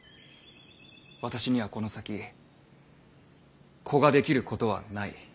私にはこの先子ができることはない。